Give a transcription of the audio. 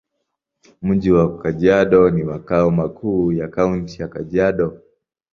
Mji wa Kajiado ni makao makuu ya Kaunti ya Kajiado.